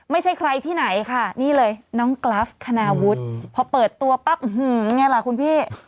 ไม่ใช่ใครที่ไหนค่ะนี่เลยน้องกราฟคณาวุฒิพอเปิดตัวปั๊บไงล่ะคุณพี่